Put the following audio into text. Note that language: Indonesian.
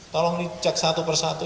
tolong ini cek satu persatu